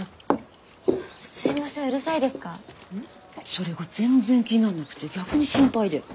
それが全然気にならなくて逆に心配だよ。